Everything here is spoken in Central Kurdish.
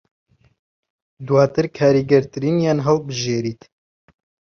دوواتر کاریگەرترینیان هەڵبژێریت